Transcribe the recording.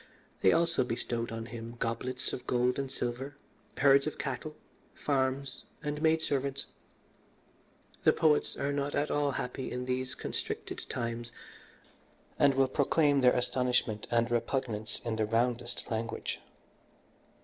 They also bestowed on him goblets of gold and silver, herds of cattle, farms, and maidservants. The poets are not at all happy in these constricted times, and will proclaim their astonishment and repugnance in the roundest language.